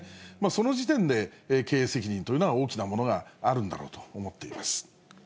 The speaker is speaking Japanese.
その時点で経営責任というのは大きなものがあるんだろうと思っています。